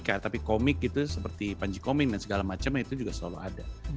bukan komika tapi komik gitu seperti panji koming dan segala macemnya itu juga selalu ada